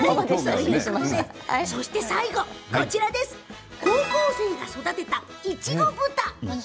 最後、高校生が育てたいちご豚。